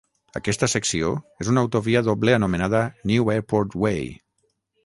Aquesta secció és una autovia doble anomenada "New Airport Way".